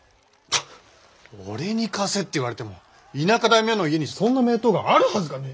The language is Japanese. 俺に貸せって言われても田舎大名の家にそんな名刀があるはずがねえ！